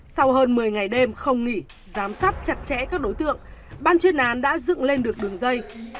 sau hơn một mươi ngày đêm không nghỉ giám sát chặt chẽ các đối tượng ban chuyên án đã dựng lên được đường dây